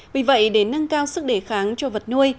vì vậy để nâng cao sức đề kháng cho vật nuôi